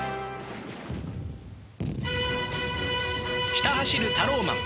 ひた走るタローマン。